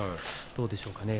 どうでしょうかね。